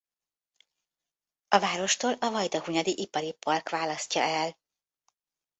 A várostól a Vajdahunyadi Ipari Park választja el.